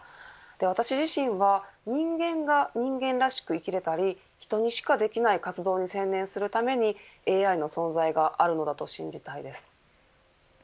私自身は人間が人間らしく生きれたり人にしかできない活動に専念するためにＡＩの存在があるのだと信じたいです。